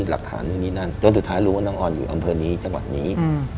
ระให้เป็นคนเอาโกดกระดูกของน้องอ่อนนี้